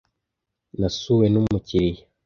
Nasuwe n'umukiriya.